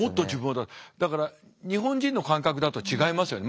だから日本人の感覚だと違いますよね